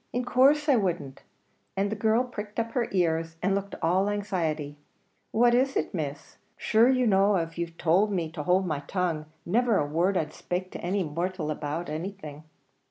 in course I wouldn't," and the girl pricked up her ears, and looked all anxiety. "What is it, Miss? Shure you know av you tould me to hould my tongue, never a word I'd spake to any mortial about anything."